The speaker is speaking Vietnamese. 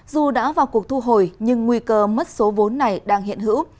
dù đã vào cuộc thu hồi nhưng nguy cơ mất số vốn này đang hiện hữu